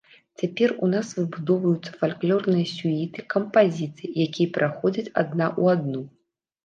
Цяпер у нас выбудоўваюцца фальклорныя сюіты, кампазіцыі, якія пераходзяць адна ў адну.